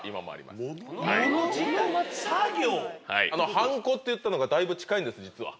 はんこって言ったのがだいぶ近いんです実は。